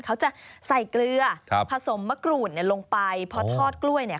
เขาจะใส่เกลือครับผสมมะกรูดเนี่ยลงไปพอทอดกล้วยเนี่ย